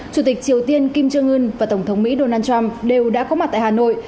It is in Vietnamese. chủ tịch triều tiên kim jong un và tổng thống mỹ donald trump đều đã có mặt tại hà nội